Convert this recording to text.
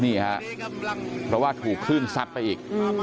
นี่ฮะเพราะว่าถูกคลื่นซัดไปอีก